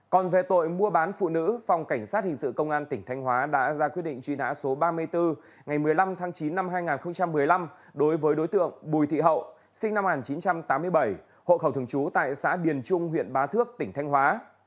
còn về tội mua bán phụ nữ phòng cảnh sát hình sự công an tỉnh thanh hóa đã ra quyết định truy nã số ba mươi bốn ngày một mươi năm tháng chín năm hai nghìn một mươi năm đối với đối tượng bùi thị hậu sinh năm một nghìn chín trăm tám mươi bảy hộ khẩu thường trú tại xã điền trung huyện bá thước tỉnh thanh hóa